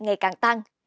ngày càng tăng